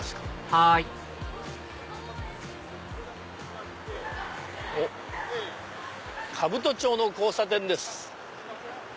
はいおっ兜町の交差点です。